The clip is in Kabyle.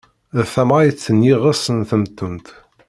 D tamɛayt n yiɣes n temtunt.